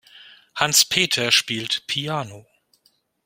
Hans-Peter spielt Piano.